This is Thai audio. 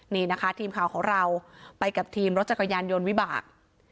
นี่นะคะทีมข่าวของเราไปกับทีมรถจักรยานยนต์วิบาก